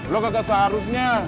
lo gak seharusnya